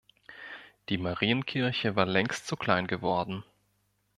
Die Marienkirche war längst zu klein geworden.